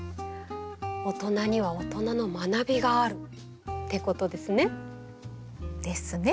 大人には大人の学びがあるってことですね。ですね。